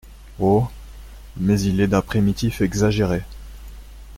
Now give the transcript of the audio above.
Oh ! mais il est d’un primitif exagéré !…